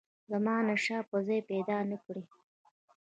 زمانشاه به ځای پیدا نه کړي.